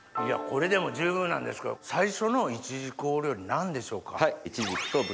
これでも十分なんですけど最初のイチジクお料理何でしょうか？